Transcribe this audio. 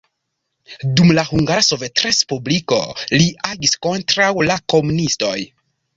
Dum la Hungara Sovetrespubliko li agis kontraŭ la komunistoj.